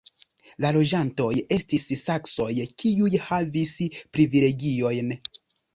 La loĝantoj estis saksoj, kiuj havis privilegiojn.